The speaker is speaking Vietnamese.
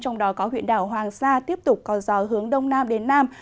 trong đó có huyện đảo hoàng sa tiếp tục có gió hướng đông nam đến nam